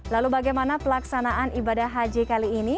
lalu bagaimana pelaksanaan ibadah haji kali ini